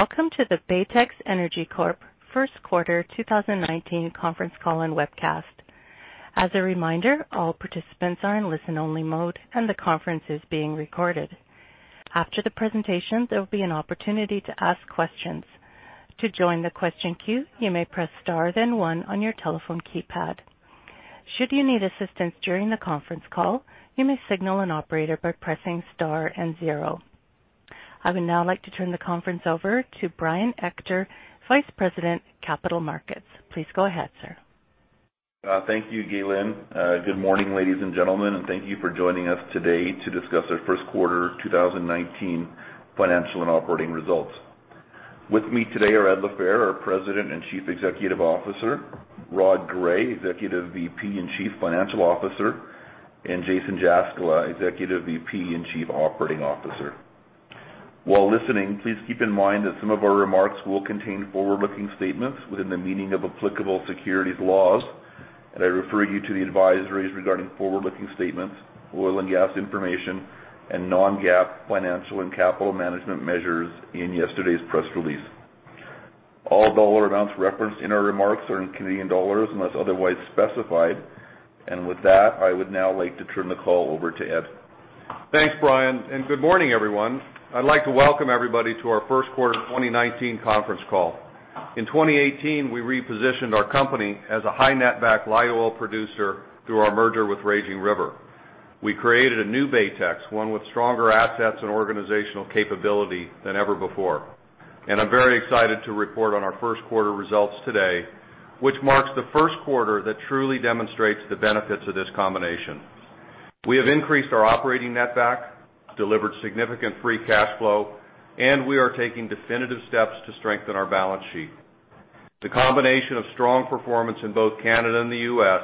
Welcome to the Baytex Energy Corp. First Quarter 2019 conference call and webcast. As a reminder, all participants are in listen-only mode, and the conference is being recorded. After the presentation, there will be an opportunity to ask questions. To join the question queue, you may press Star, then one on your telephone keypad. Should you need assistance during the conference call, you may signal an operator by pressing Star and zero. I would now like to turn the conference over to Brian Ector, Vice President, Capital Markets. Please go ahead, sir. Thank you, Galen. Good morning, ladies and gentlemen, and thank you for joining us today to discuss our Q1 2019 financial and operating results. With me today are Ed LaFehr, our President and Chief Executive Officer, Rod Gray, Executive VP and Chief Financial Officer, and Jason Jaskula, Executive VP and Chief Operating Officer. While listening, please keep in mind that some of our remarks will contain forward-looking statements within the meaning of applicable securities laws, and I refer you to the advisories regarding forward-looking statements, oil and gas information, and non-GAAP financial and capital management measures in yesterday's press release. All dollar amounts referenced in our remarks are in Canadian dollars, unless otherwise specified. And with that, I would now like to turn the call over to Ed. Thanks, Brian, and good morning, everyone. I'd like to welcome everybody to our Q1 2019 conference call. In 2018, we repositioned our company as a high netback light oil producer through our merger with Raging River. We created a new Baytex, one with stronger assets and organizational capability than ever before. And I'm very excited to report on our Q1 results today, which marks the Q1 that truly demonstrates the benefits of this combination. We have increased our operating netback, delivered significant free cash flow, and we are taking definitive steps to strengthen our balance sheet. The combination of strong performance in both Canada and the U.S.,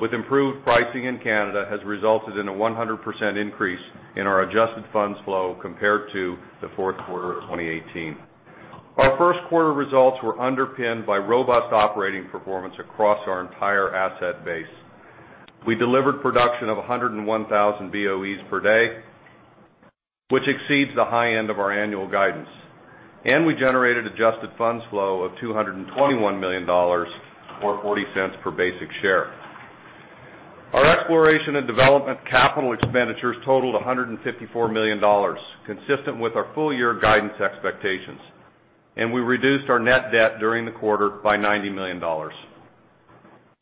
with improved pricing in Canada, has resulted in a 100% increase in our adjusted funds flow compared to the fourth quarter of 2018. Our Q1 results were underpinned by robust operating performance across our entire asset base. We delivered production of 101 thousand BOEs per day, which exceeds the high end of our annual guidance, and we generated adjusted funds flow of 221 million dollars, or 0.40 per basic share. Our exploration and development capital expenditures totaled 154 million dollars, consistent with our full-year guidance expectations, and we reduced our net debt during the quarter by 90 million dollars.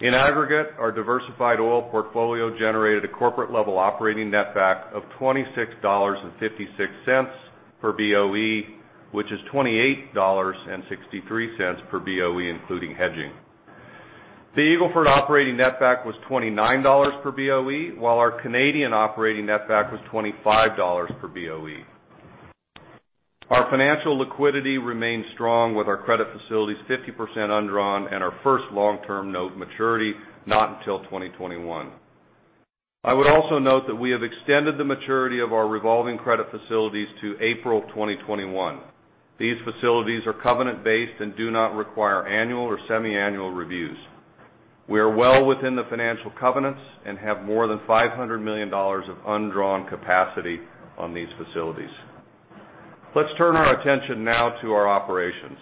In aggregate, our diversified oil portfolio generated a corporate-level operating netback of 26.56 dollars per BOE, which is 28.63 dollars per BOE, including hedging. The Eagle Ford operating netback was 29 dollars per BOE, while our Canadian operating netback was 25 dollars per BOE. Our financial liquidity remains strong, with our credit facilities 50% undrawn and our first long-term note maturity not until 2021. I would also note that we have extended the maturity of our revolving credit facilities to April 2021. These facilities are covenant-based and do not require annual or semiannual reviews. We are well within the financial covenants and have 500 million dollars of undrawn capacity on these facilities. Let's turn our attention now to our operations,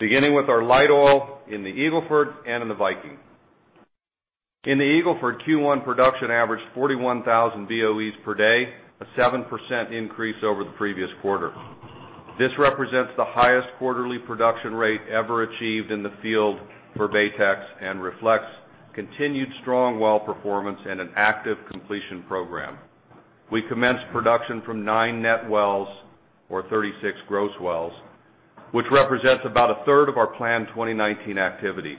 beginning with our light oil in the Eagle Ford and in the Viking. In the Eagle Ford, Q1 production averaged 41,000 BOEs per day, a 7% increase over the previous quarter. This represents the highest quarterly production rate ever achieved in the field for Baytex and reflects continued strong well performance and an active completion program. We commenced production from nine net wells, or 36 gross wells, which represents about a third of our planned 2019 activity.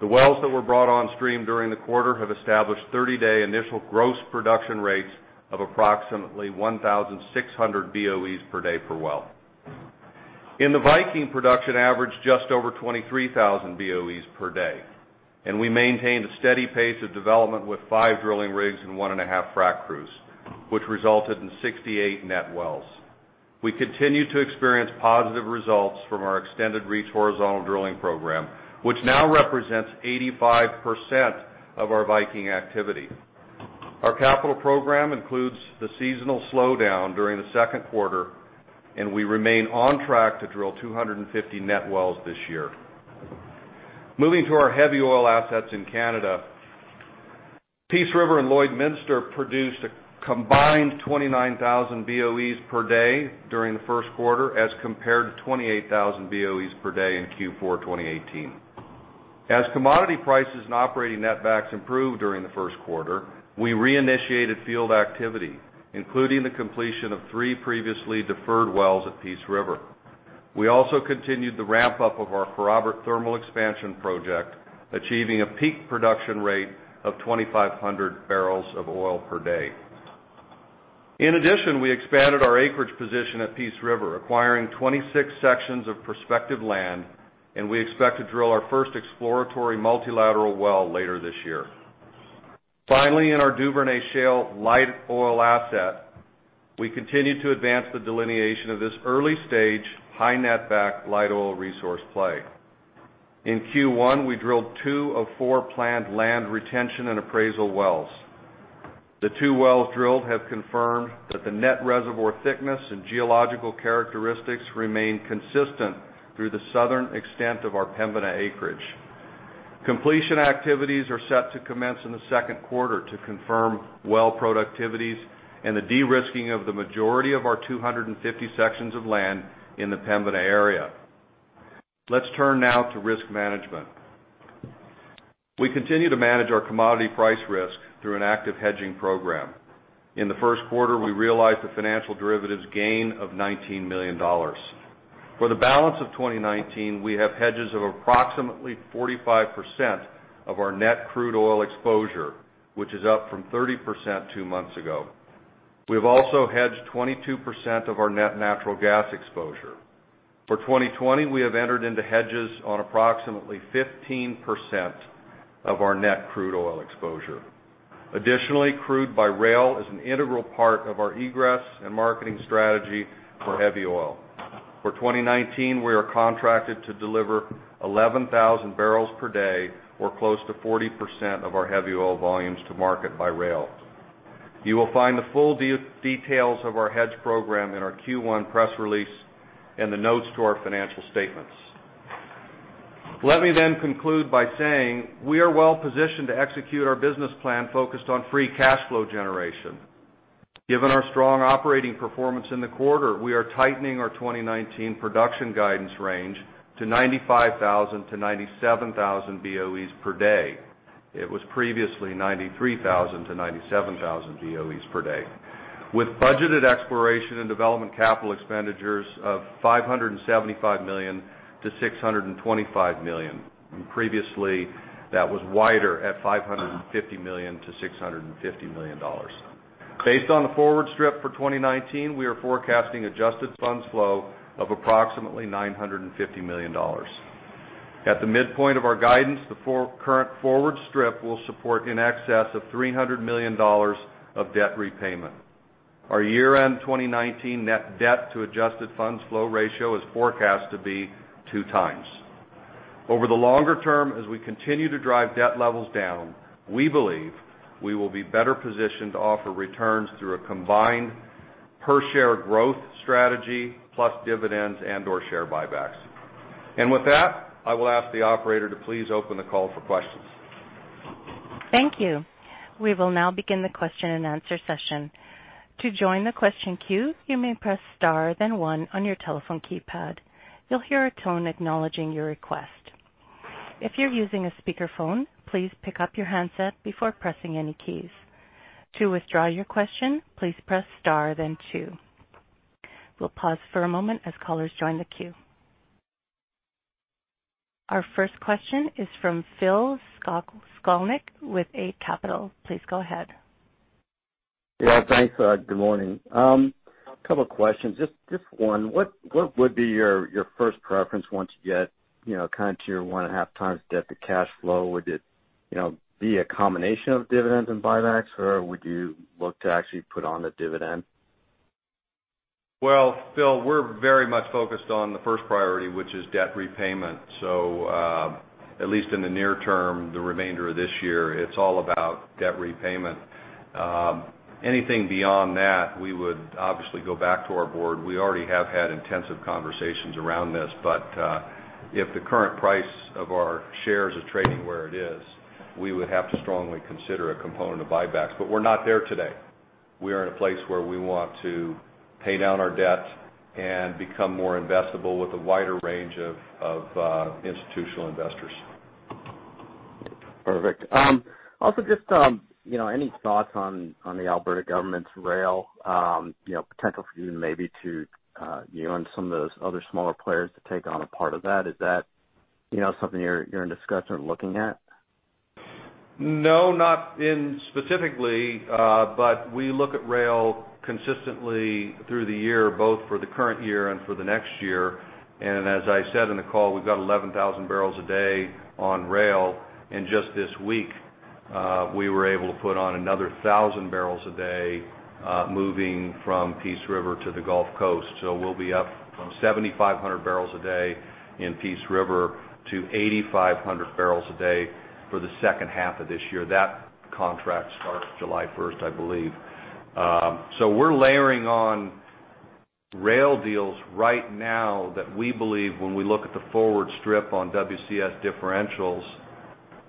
The wells that were brought on stream during the quarter have established 30-day initial gross production rates of approximately 1,600 BOEs per day per well. In the Viking, production averaged just over 23,000 BOEs per day, and we maintained a steady pace of development with five drilling rigs and one and a half frac crews, which resulted in 68 net wells. We continue to experience positive results from our extended reach horizontal drilling program, which now represents 85% of our Viking activity. Our capital program includes the seasonal slowdown during the Q2, and we remain on track to drill 250 net wells this year. Moving to our heavy oil assets in Canada, Peace River and Lloydminster produced a combined 29,000 BOEs per day during the Q1, as compared to 28,000 BOEs per day in Q4 2018. As commodity prices and operating netbacks improved during the Q1, we reinitiated field activity, including the completion of three previously deferred wells at Peace River. We also continued the ramp-up of our Parrot Thermal Expansion project, achieving a peak production rate of 2,500 barrels of oil per day. In addition, we expanded our acreage position at Peace River, acquiring 26 sections of prospective land, and we expect to drill our first exploratory multilateral well later this year. Finally, in our Duvernay Shale light oil asset, we continued to advance the delineation of this early-stage, high netback light oil resource play. In Q1, we drilled two of four planned land retention and appraisal wells. The two wells drilled have confirmed that the net reservoir thickness and geological characteristics remain consistent through the southern extent of our Pembina acreage. Completion activities are set to commence in the Q2 to confirm well productivities and the de-risking of the majority of our 250 sections of land in the Pembina area. Let's turn now to risk management. We continue to manage our commodity price risk through an active hedging program. In the Q1, we realized a financial derivatives gain of 19 million dollars. For the balance of 2019, we have hedges of approximately 45% of our net crude oil exposure, which is up from 30% two months ago. We have also hedged 22% of our net natural gas exposure. For 2020, we have entered into hedges on approximately 15% of our net crude oil exposure. Additionally, crude by rail is an integral part of our egress and marketing strategy for heavy oil. For 2019, we are contracted to deliver 11,000 barrels per day, or close to 40% of our heavy oil volumes to market by rail. You will find the full details of our hedge program in our Q1 press release and the notes to our financial statements. Let me then conclude by saying we are well positioned to execute our business plan focused on free cash flow generation. Given our strong operating performance in the quarter, we are tightening our 2019 production guidance range to 95,000 to 97,000 BOEs per day. It was previously 93,000 to 97,000 BOEs per day, with budgeted exploration and development capital expenditures of 575 million-625 million, and previously, that was wider at 550 million-650 million dollars. Based on the forward strip for 2019, we are forecasting adjusted funds flow of approximately 950 million dollars. At the midpoint of our guidance, the current forward strip will support in excess of 300 million dollars of debt repayment. Our year-end 2019 net debt to adjusted funds flow ratio is forecast to be two times. Over the longer term, as we continue to drive debt levels down, we believe we will be better positioned to offer returns through a combined per-share growth strategy, plus dividends and/or share buybacks. And with that, I will ask the operator to please open the call for questions. Thank you. We will now begin the question-and-answer session. To join the question queue, you may press star, then one on your telephone keypad. You'll hear a tone acknowledging your request. If you're using a speakerphone, please pick up your handset before pressing any keys. To withdraw your question, please press star, then two. We'll pause for a moment as callers join the queue. Our first question is from Phil Skolnick with Eight Capital. Please go ahead. Yeah, thanks. Good morning. A couple of questions. Just one. What would be your first preference once you get, you know, kind of to your one and a half times debt to cash flow? Would it, you know, be a combination of dividends and buybacks, or would you look to actually put on a dividend? Well, Phil, we're very much focused on the first priority, which is debt repayment. So, at least in the near term, the remainder of this year, it's all about debt repayment. Anything beyond that, we would obviously go back to our board. We already have had intensive conversations around this, but, if the current price of our shares is trading where it is, we would have to strongly consider a component of buybacks. But we're not there today. We are in a place where we want to pay down our debt and become more investable with a wider range of institutional investors. Perfect. Also, just, you know, any thoughts on the Alberta government's rail, you know, potential for you maybe to, you and some of those other smaller players to take on a part of that? Is that, you know, something you're in discussion or looking at? No, not specifically, but we look at rail consistently through the year, both for the current year and for the next year. And as I said in the call, we've got 11,000 barrels a day on rail. And just this week, we were able to put on another 1,000 barrels a day, moving from Peace River to the Gulf Coast. So we'll be up from 7,500 barrels a day in Peace River to 8,500 barrels a day for the H2 of this year. That contract starts July 1st, I believe. So we're layering on rail deals right now that we believe when we look at the forward strip on WCS differentials,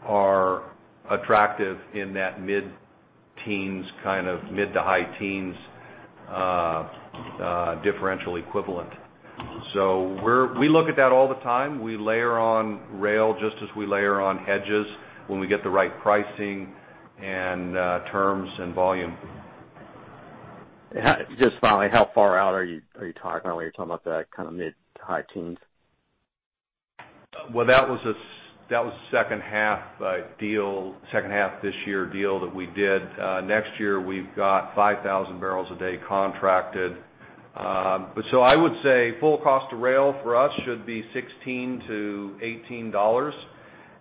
are attractive in that mid-teens, kind of mid to high-teens, differential equivalent. So we look at that all the time. We layer on rail just as we layer on hedges when we get the right pricing and terms and volume. Just finally, how far out are you talking when you're talking about that kind of mid to high teens? That was a second-half, H2 this year deal that we did. Next year, we've got 5,000 barrels a day contracted. I would say full cost to rail for us should be 16-18 dollars,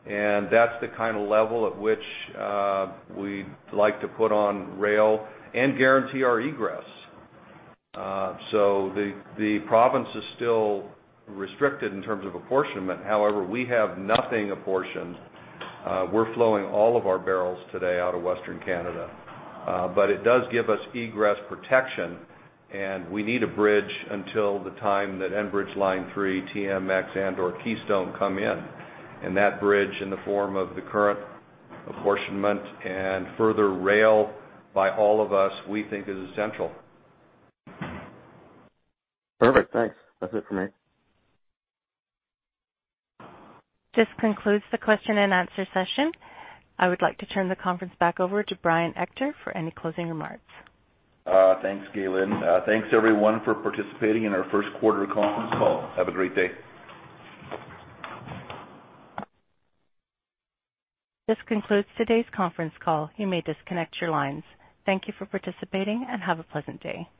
and that's the kind of level at which we'd like to put on rail and guarantee our egress. The province is still restricted in terms of apportionment. However, we have nothing apportioned. We're flowing all of our barrels today out of Western Canada. It does give us egress protection, and we need a bridge until the time that Enbridge Line 3, TMX, and/or Keystone come in. That bridge, in the form of the current apportionment and further rail by all of us, we think is essential. Perfect, thanks. That's it for me. This concludes the question-and-answer session. I would like to turn the conference back over to Brian Ector for any closing remarks. Thanks, Galen. Thanks, everyone, for participating in our Q1 conference call. Have a great day. This concludes today's conference call. You may disconnect your lines. Thank you for participating, and have a pleasant day.